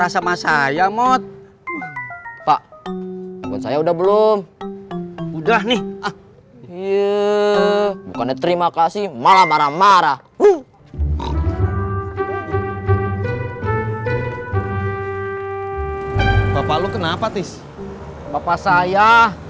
sampai jumpa di video selanjutnya